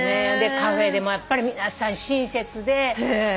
カフェでもやっぱり皆さん親切で。